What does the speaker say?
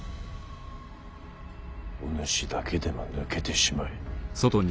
おぬしだけでも抜けてしまえ。